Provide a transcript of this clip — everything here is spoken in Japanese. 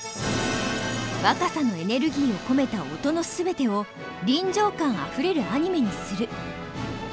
若さのエネルギーを込めた音のすべてを臨場感あふれるアニメにする。